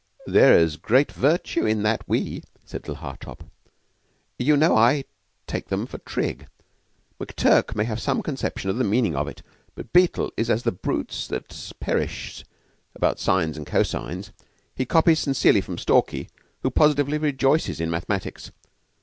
"There's great virtue in that 'we,'" said little Hartopp. "You know I take them for trig. McTurk may have some conception of the meaning of it; but Beetle is as the brutes that perish about sines and cosines. He copies serenely from Stalky, who positively rejoices in mathematics."